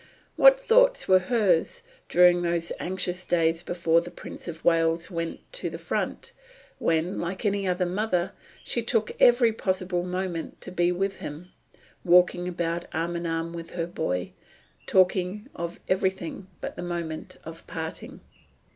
What thoughts were hers during those anxious days before the Prince of Wales went to the front, when, like any other mother, she took every possible moment to be with him, walking about arm in arm with her boy, talking of everything but the moment of parting?